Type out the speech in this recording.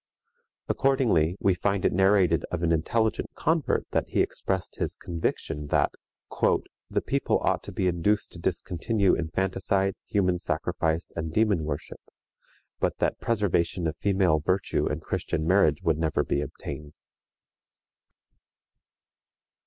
Accordingly, we find it narrated of an intelligent convert that he expressed his conviction that "the people ought to be induced to discontinue infanticide, human sacrifice, and demon worship, but that preservation of female virtue and Christian marriage would never be obtained."